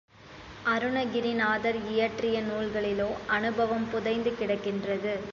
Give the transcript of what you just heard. அருணகிரிநாதர் இயற்றிய நூல்களிலோ அநுபவம் புதைந்து கிடக்கின்றது.